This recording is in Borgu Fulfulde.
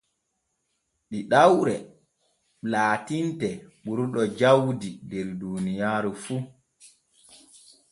Ɗiɗawre laatinte ɓurɗo jawdi der duuniyaaru fu.